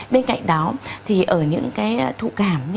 bên cạnh đó thì ở những cái thụ cảm như ở bộ phận sinh dục